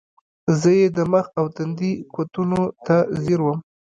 زۀ ئې د مخ او تندي کوتونو ته زیر ووم ـ